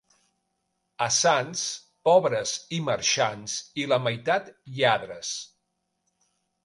A Sants, pobres i marxants i la meitat lladres.